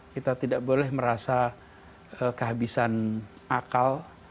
kita tidak boleh merasa kehabisan akal